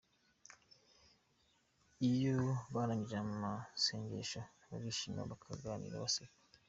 Iyo barangije amasengesho barishima, bakaganira baseka.